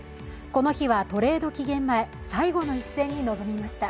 この日はトレード期限前最後の一戦に臨みました。